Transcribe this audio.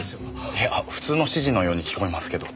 いや普通の指示のように聞こえますけど。